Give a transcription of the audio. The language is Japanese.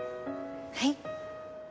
はい。